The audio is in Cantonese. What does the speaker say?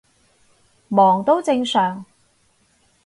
忙都正常